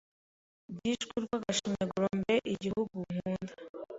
Byishwe urwagashinyaguro Mbe gihugu nkunda